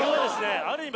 ある意味